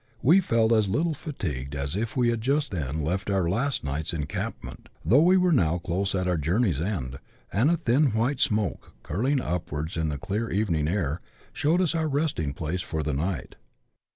We felt as little fatigued as if we had but just then left our last nights encamp ment, though we were now close at our journey's end, and a thin white smoke, curling upwards in the clear evening air, showed us our resting place for the night.